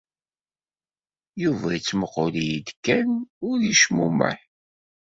Yuba yemmuqqel-iyi-d kan u yecmumeḥ.